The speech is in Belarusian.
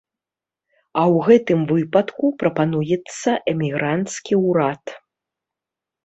А ў гэтым выпадку прапануецца эмігранцкі ўрад.